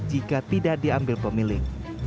jika tidak diambil pemilik